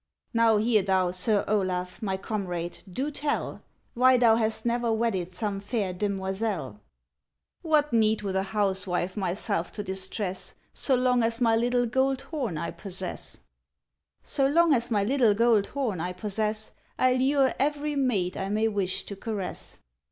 ŌĆ£Now hear thou, Sir Olaf my comrade, do tell Why thou hast neŌĆÖer wedded some fair demoiselle? ŌĆØ ŌĆ£What need with a housewife myself to distress, So long as my little gold horn I possess? ŌĆ£So long as my little gold horn I possess, I lure every maid I may wish to caress.